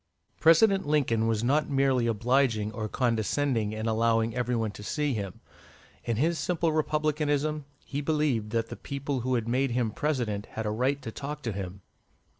'" President Lincoln was not merely obliging or condescending in allowing every one to see him; in his simple Republicanism, he believed that the people who had made him President had a right to talk to him.